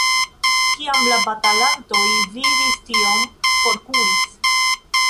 Kiam la batalantoj vidis tion, forkuris.